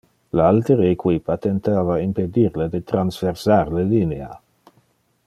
Le altere equipa tentava impedir le de transversar le linea.